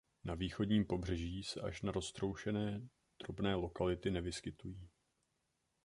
Na východním pobřeží se až na roztroušené drobné lokality nevyskytují.